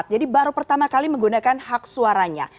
jadi baru pertama kali menggunakan hak suaranya